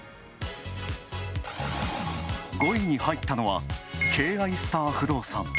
５位に入ったのは、ケイアイスター不動産。